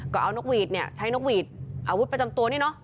ก็เอานกหวีดเนี่ยใช้นกหวีดอาวุธประจำตัวนี่เนอะ